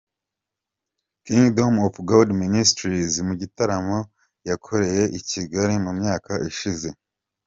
Kingdom of God Ministries mu gitaramo yakoreye i Kigali mu myaka ishize.